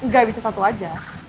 gak bisa satu aja